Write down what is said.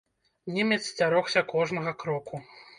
Немец сцярогся кожнага кроку.